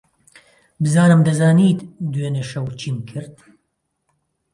بزانم دەزانیت دوێنێ شەو چیم کرد.